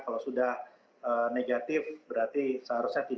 kalau sudah negatif berarti seharusnya